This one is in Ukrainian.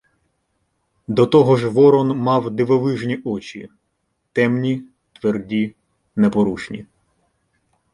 До того ж Ворон мав дивовижні очі: темні, тверді, непорушні.